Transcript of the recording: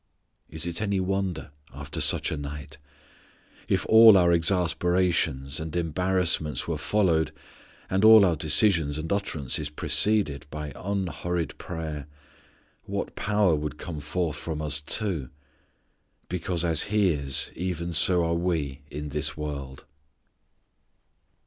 "_ Is it any wonder, after such a night! If all our exasperations and embarrassments were followed, and all our decisions and utterances preceded, by unhurried prayer, what power would come forth from us, too. Because as He is even so are we in this world.